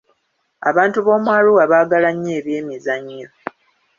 Abantu b'omu Arua baagala nnyo ebyemizannyo.